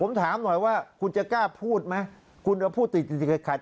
ผมถามหน่อยว่าคุณจะกล้าพูดไหมคุณจะพูดติดติดขัด